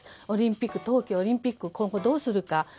オリンピック、冬季オリンピック今後どうするか。